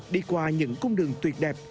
đi qua những cung đường tuyệt đẹp